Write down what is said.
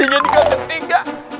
ini jadi kaget engga